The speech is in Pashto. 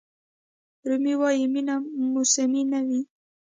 رومي وایي مینه موسمي نه وي.